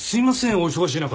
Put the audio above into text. お忙しい中。